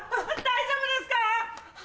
大丈夫ですか？